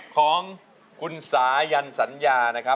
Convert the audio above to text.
ของคุณสายันสัญญา